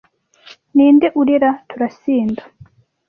ninde urira turasinda